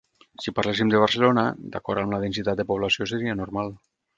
Si parléssim de Barcelona, d’acord amb la densitat de població, seria normal.